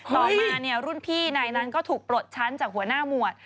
ต่อมารุ่นพี่นายนั้นก็ถูกปลดชั้นจากหัวหน้าหมวด